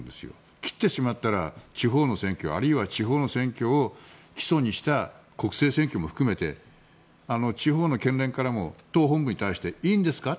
切ってしまったら地方の選挙あるいは地方の選挙を基礎にした国政選挙も含めて地方の県連からも党本部に対していいんですか？